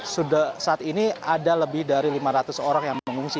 sudah saat ini ada lebih dari lima ratus orang yang mengungsi